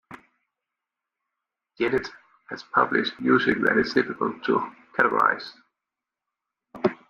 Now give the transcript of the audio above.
Gennet has published music that is difficult to categorize.